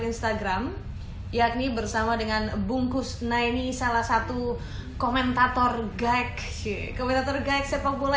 instagram yakni bersama dengan bungkus naini salah satu komentator guc komentator guide sepak bola